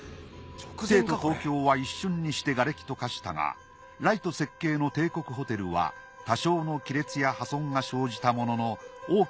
帝都東京は一瞬にしてがれきと化したがライト設計の帝国ホテルは多少の亀裂や破損が生じたものの大きな被害はなく無事であった。